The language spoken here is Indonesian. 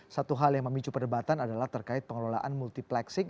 satu hal yang memicu perdebatan adalah terkait pengelolaan multiplexing